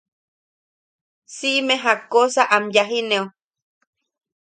Siʼme, jakkosa am yajineo.